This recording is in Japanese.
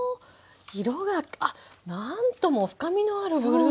色があっ何とも深みのあるブルーに。